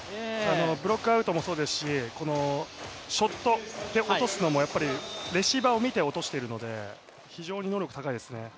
ブロックアウトもそうですしショットで落とすのもやっぱりレシーバーを見て落としているので非常に能力高いですね。